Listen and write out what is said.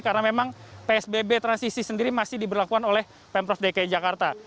karena memang psbb transisi sendiri masih diberlakukan oleh pemprov dki jakarta